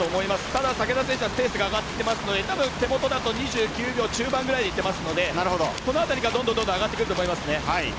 ただ、竹田選手はペースが上がってきているので手元だと２９秒中盤ぐらいでいっていますのでこの辺りがどんどん上がってくると思います。